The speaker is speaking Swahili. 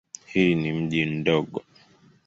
Hii ni mji mdogo.